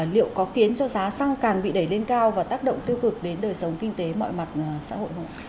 liệu có khiến cho giá xăng càng bị đẩy lên cao và tác động tiêu cực đến đời sống kinh tế mọi mặt xã hội không ạ